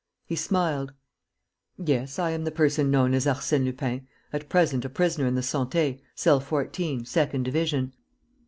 He smiled: "Yes, I am the person known as Arsène Lupin, at present a prisoner in the Santé, cell 14, second division."